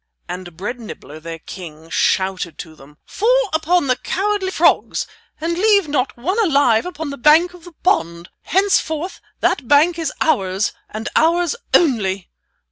And Bread Nibbler, their king, shouted to them: "Fall upon the cowardly frogs, and leave not one alive upon the bank of the pond. Henceforth that bank is ours, and ours only.